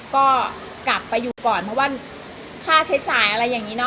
ก็กลับไปอยู่ก่อนเพราะว่าค่าใช้จ่ายอะไรอย่างนี้เนอ